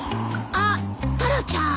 あっタラちゃん。